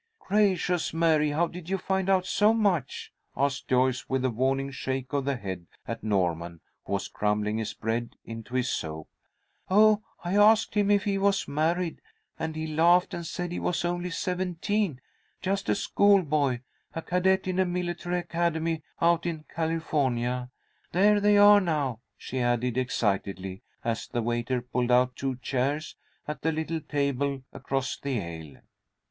"Gracious, Mary, how did you find out so much?" asked Joyce, with a warning shake of the head at Norman, who was crumbling his bread into his soup. "Oh, I asked him if he was married, and he laughed, and said he was only seventeen, just a schoolboy, a cadet in a military academy out in California. There they are now!" she added, excitedly, as the waiter pulled out two chairs at the little table across the aisle.